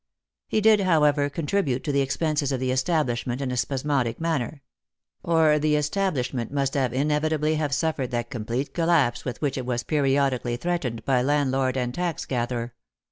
He did, however, contribute to the expenses of the establishment in a spasmodic manner ; or the establishment must inevitably have suffered that complete collapse with which it was periodically threatened by landlord and tax gatherer.